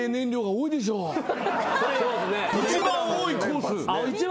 一番多いコース。